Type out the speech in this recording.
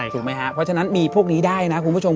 ถูกไหมครับเพราะฉะนั้นมีพวกนี้ได้นะคุณผู้ชม